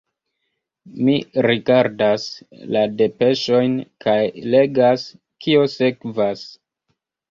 Mi rigardas la depeŝojn kaj legas, kio sekvas.